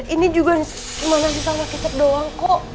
ini juga cuma nasi sama kecap doang kok